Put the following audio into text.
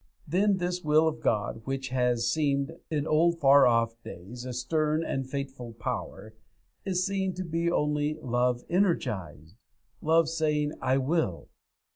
Then this will of God which has seemed in old far off days a stern and fateful power, is seen to be only love energized; love saying, 'I will.'